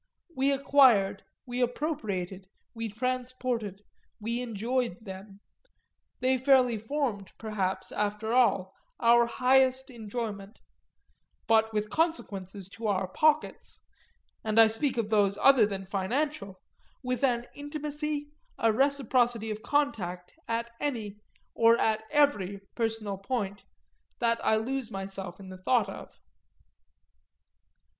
We acquired, we appropriated, we transported, we enjoyed them, they fairly formed perhaps, after all, our highest enjoyment; but with consequences to our pockets and I speak of those other than financial, with an intimacy, a reciprocity of contact at any, or at every, personal point, that I lose myself in the thought of.